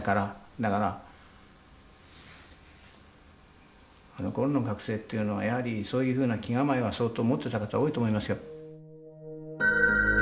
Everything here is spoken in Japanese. だからあのころの学生っていうのはやはりそういうふうな気構えは相当持ってた方多いと思いますよ。